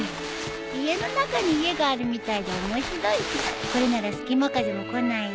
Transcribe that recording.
家の中に家があるみたいで面白いしこれなら隙間風も来ないよ。